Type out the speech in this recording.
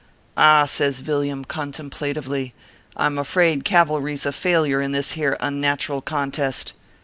"Ah !" says Villiam, contemplatively, "I m afraid cavalry s a failure in this here unnatural contest.